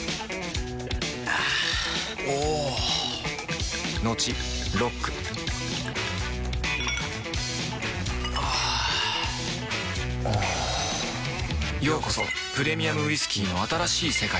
あぁおぉトクトクあぁおぉようこそプレミアムウイスキーの新しい世界へ